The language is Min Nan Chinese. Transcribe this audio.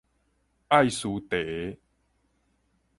愛斯提